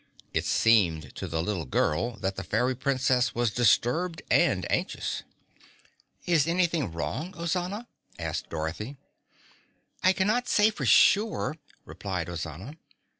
It seemed to the little girl that the Fairy Princess was disturbed and anxious. "Is anything wrong, Ozana?" called Dorothy. "I cannot say for sure," replied Ozana.